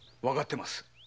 わかってます。